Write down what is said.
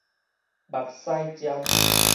目屎針